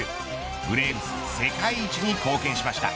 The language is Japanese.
ブレーブス世界一に貢献しました。